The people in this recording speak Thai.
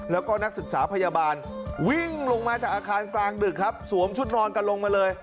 แล้วก็นักศึกษาพยาบาลวิ่งลงมาจากอาคารกลางดึกครับสวมชุดนอนกันลงมาเลย